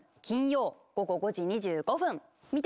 金曜午後５時２５分！